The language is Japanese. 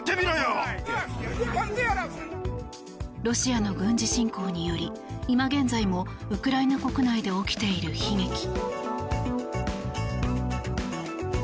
ロシアの軍事侵攻により今現在もウクライナ国内で起きている悲劇。